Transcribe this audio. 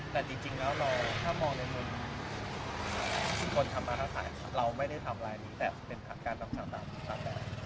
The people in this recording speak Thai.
แต่จริงแล้วเราถ้ามองในมือคนธรรมศาสตร์เราไม่ได้ทำลายนี้แต่เป็นการต้องการตามแบบนี้